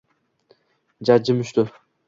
Jajji mushti